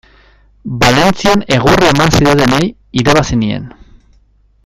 Valentzian egurra eman zidatenei irabazi nien.